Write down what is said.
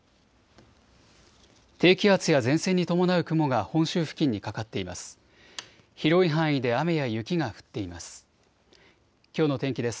低気圧や前線に伴う雲が本州付近にかかっています。